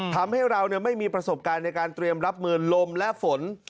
ทำให้เราไม่มีประสบการณ์ในการเตรียมรับมือลมและฝน